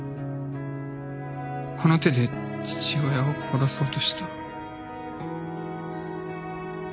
この手で父親を殺そうとした。